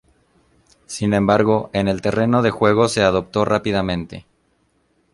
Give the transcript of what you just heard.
Sin embargo, en el terreno de juego se adaptó rápidamente.